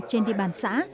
trên địa bàn xã